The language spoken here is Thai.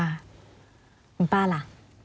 คุณป้าล่ะ